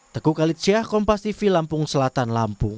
teku kalitsiah kompas tv lampung selatan lampung